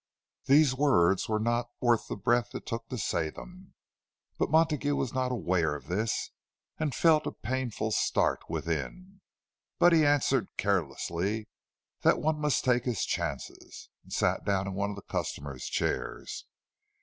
These words were not worth the breath it took to say them; but Montague was not aware of this, and felt a painful start within. But he answered, carelessly, that one must take his chance, and sat down in one of the customer's chairs.